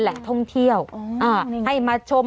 แหล่งท่องเที่ยวเอองั้นบอกต้นมะขาม